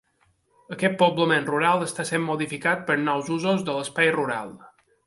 Aquest poblament rural està sent modificat per nous usos de l'espai rural.